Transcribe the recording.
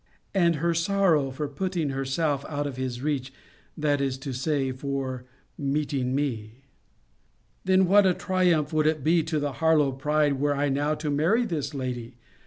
and her sorrow for putting herself out of his reach, that is to say, for meeting me? Then, what a triumph would it be to the Harlowe pride, were I now to marry this lady?